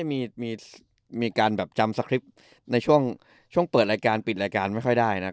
มีการแบบจำสคริปต์ในช่วงเปิดรายการปิดรายการไม่ค่อยได้นะ